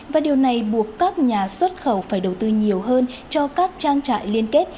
và điều này buộc các nhà xuất khẩu phải đầu tư nhiều hơn cho các trang trại liên kết